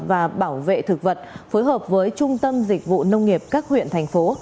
và bảo vệ thực vật phối hợp với trung tâm dịch vụ nông nghiệp các huyện thành phố